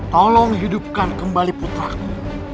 tolong hidupkan kembali putraku